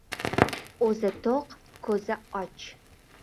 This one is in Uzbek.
• O‘zi to‘q, ko‘zi ― och.